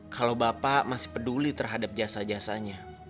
kalau bapak masih peduli terhadap jasa jasanya